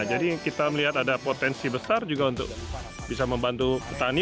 jadi kita melihat ada potensi besar juga untuk bisa membantu petani